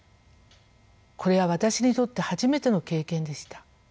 これは私にとって初めての経験でした。